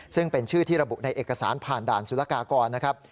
ซึ่งเป็นชื่อที่ระบุในเอกสารผ่านด่านสุรกากรนะครับ